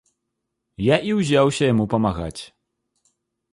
Я і ўзяўся яму памагаць.